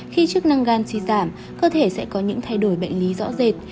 khi chức năng gan suy giảm cơ thể sẽ có những thay đổi bệnh lý rõ rệt